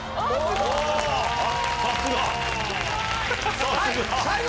さすが。